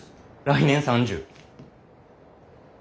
来年３０。